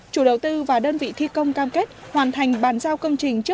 chủ đầu tư và đơn vị thi công cam kết hoàn thành bàn giao công trình trước